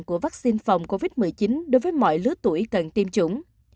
của vaccine phòng covid một mươi chín đối với mọi lứa tuổi cần tiêm chủng